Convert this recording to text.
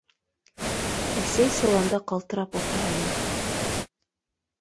Әсәй соланда ҡалтырап ултыра ине.